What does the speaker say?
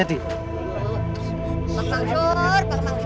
pak mansur pak mansur